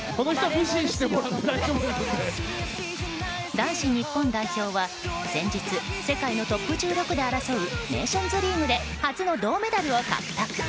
男子日本代表は先日、世界のトップ１６で争うネーションズリーグで初の銅メダルを獲得。